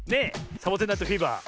「サボテン・ナイト・フィーバー」。